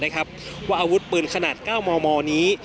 ว่าอาวุธปืนขนาด๙มมนี้